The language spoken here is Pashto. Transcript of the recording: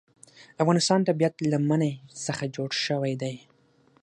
د افغانستان طبیعت له منی څخه جوړ شوی دی.